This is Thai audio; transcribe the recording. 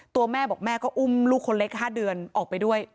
ตัวแม่บอกแม่ก็อุ้มลูกคนเล็ก๕เดือนออกไปด้วย